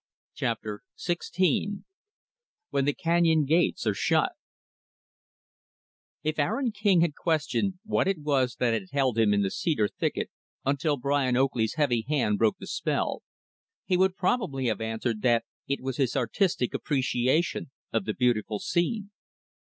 Chapter XVI When the Canyon Gates Are Shut If Aaron King had questioned what it was that had held him in the cedar thicket until Brian Oakley's heavy hand broke the spell, he would probably have answered that it was his artistic appreciation of the beautiful scene.